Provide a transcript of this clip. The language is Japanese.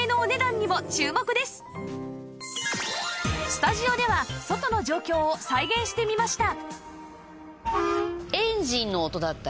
スタジオでは外の状況を再現してみました